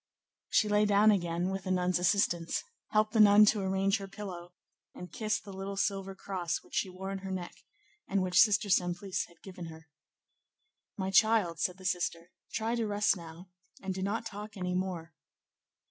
She lay down again, with the nun's assistance, helped the nun to arrange her pillow, and kissed the little silver cross which she wore on her neck, and which Sister Simplice had given her. "My child," said the sister, "try to rest now, and do not talk any more."